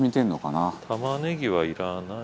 玉ねぎはいらない。